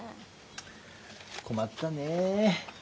困ったね。